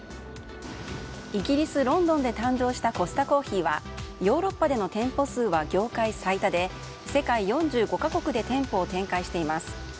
イギリス・ロンドンで誕生したコスタコーヒーはヨーロッパでの店舗数は業界最多で世界４５か国で店舗を展開しています。